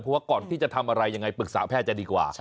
เพราะว่าก่อนที่จะทำอะไรยังไงปรึกษาแพทย์จะดีกว่า